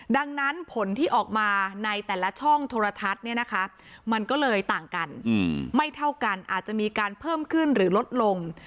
ดังนั้นผลที่ออกมาในแต่ละช่องโทรทัศน์เนี่ยนะคะมันก็เลยต่างกันไม่เท่ากันอาจจะมีการเพิ่มขึ้นหรือลดลง